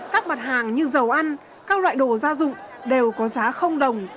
các mặt hàng như dầu ăn các loại đồ gia dụng đều có giá không đồng